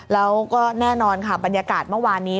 แล้วก็แน่นอนค่ะบรรยากาศเมื่อวานนี้